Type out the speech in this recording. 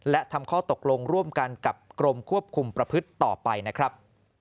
และทำข้อตกลงร่วมกันกับกรมควบคุมประพฤติต่อไปนะครับ